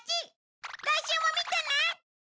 来週も見てね！